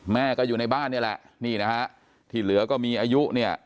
แม่ก็อยู่ในบ้านนี่แหละนี่นะฮะที่เหลือก็มีอายุเนี่ย